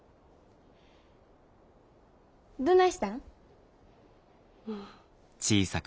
どないしたん？